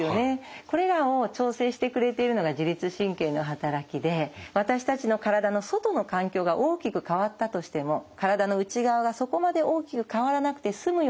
これらを調整してくれているのが自律神経の働きで私たちの体の外の環境が大きく変わったとしても体の内側がそこまで大きく変わらなくて済むように微調整をする。